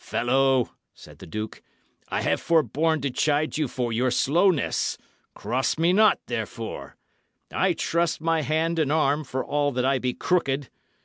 "Fellow," said the duke, "I have forborne to chide you for your slowness. Cross me not, therefore. I trust my hand and arm, for all that I be crooked.